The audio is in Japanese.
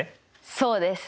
そうです。